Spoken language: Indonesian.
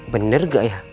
bener gak ya